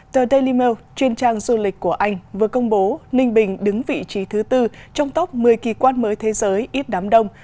tờ daily mail chuyên trang du lịch của anh vừa công bố ninh bình đứng vị trí thứ tư trong top một mươi kỳ quan mới thế giới ít đám đông